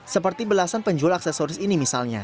seperti belasan penjual aksesoris